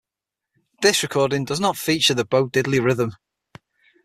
This recording does not feature the Bo Diddley rhythm.